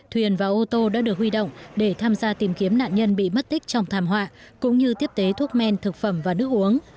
thuyền và ô tô đã được huy động để tham gia tìm kiếm nạn nhân bị mất tích trong thảm họa cũng như tiếp tế thuốc men thực phẩm và nước uống